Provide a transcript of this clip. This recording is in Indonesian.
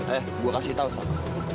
eh gue kasih tau sama